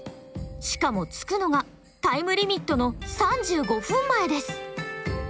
しかも着くのがタイムリミットの３５分前です。